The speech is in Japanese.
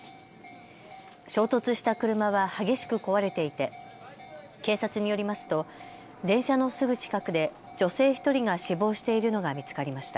衝突した車は激しく壊れていて警察によりますと電車のすぐ近くで女性１人が死亡しているのが見つかりました。